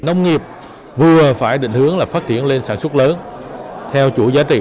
nông nghiệp vừa phải định hướng là phát triển lên sản xuất lớn theo chủ giá trị